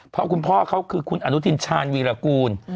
เพราะคุณพ่อเขาคือคุณอนุทินชาญวีรกูล